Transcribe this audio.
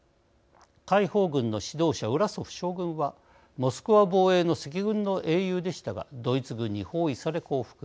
解放軍の指導者ウラソフ将軍はモスクワ防衛の赤軍の英雄でしたがドイツ軍に包囲され降伏。